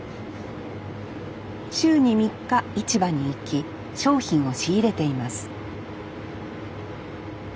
週に３日市場に行き商品を仕入れています